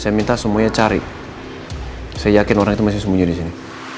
saya minta semuanya cari saya yakin orang itu masih sembunyi di sini